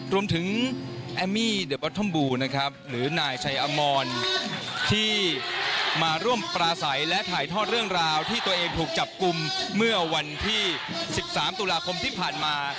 รวมถึงแอมมี่เดอร์บอทอมบูนะครับหรือนายชัยอมรที่มาร่วมปราศัยและถ่ายทอดเรื่องราวที่ตัวเองถูกจับกลุ่มเมื่อวันที่๑๓ตุลาคมที่ผ่านมา